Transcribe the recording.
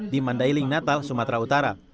di mandailing natal sumatera utara